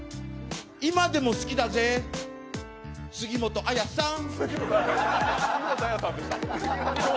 今でも好きだぜ、杉本彩さん。